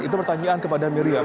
itu pertanyaan kepada miriam